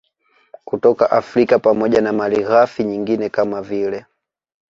kutoka Afrika pamoja na malighafi nyingine kama vile